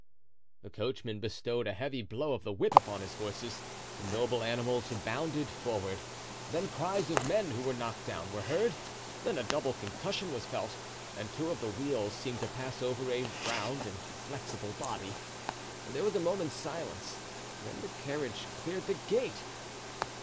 The coachman bestowed a heavy blow of the whip upon his horses; the noble animals bounded forward; then cries of men who were knocked down were heard; then a double concussion was felt, and two of the wheels seemed to pass over a round and flexible body. There was a moment's silence, then the carriage cleared the gate.